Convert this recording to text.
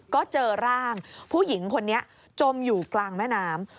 ก็เจอร่างผู้หญิงคนนี้จมอยู่กลางแม่น้ำ